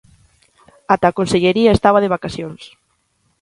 Ata a Consellería estaba de vacacións.